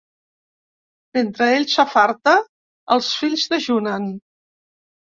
Mentre ell s'afarta, els fills dejunen.